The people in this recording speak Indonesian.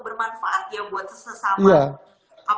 bermanfaat ya buat sesama